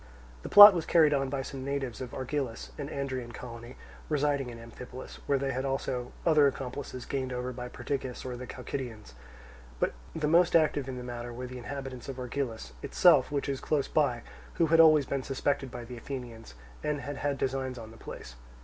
The plot was carried on by some natives of Argilus, an Andrian colony, residing in Amphipolis, where they had also other accomplices gained over by Perdiccas or the Chalcidians. But the most active in the matter were the inhabitants of Argilus itself, which is close by, who had always been suspected by the Athenians, and had had designs on the place.